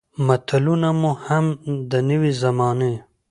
متلونه مو هم د نوې زمانې